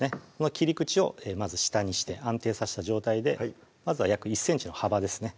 切り口をまず下にして安定させた状態でまずは約１ｃｍの幅ですね